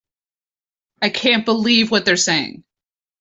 I can't believe what they're saying.